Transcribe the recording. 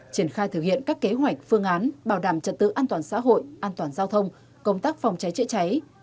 triển khai thực hiện các kế hoạch phương án bảo đảm trật tự an toàn xã hội an toàn giao thông công tác phòng cháy chữa cháy